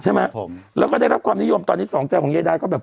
ใช่ไหมผมแล้วก็ได้รับความนิยมตอนนี้สองใจของยายดาก็แบบ